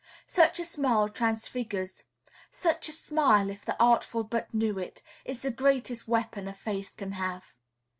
Such a smile transfigures; such a smile, if the artful but knew it, is the greatest weapon a face can have.